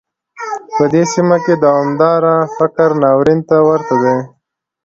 په دې سیمه کې دوامداره فقر ناورین ته ورته دی.